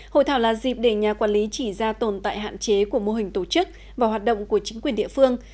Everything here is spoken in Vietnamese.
hội thảo là dịp để nhà quản lý chỉ ra tồn tại hạn chế của mô hình tổ chức và hoạt động của chính quyền địa phương